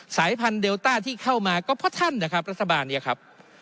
สายพันธุเดลต้าที่เข้ามาก็เพราะท่านนะครับรัฐบาลนี้ครับ